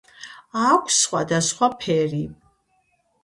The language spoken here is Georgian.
აქვს სხვადასხვა ფერი.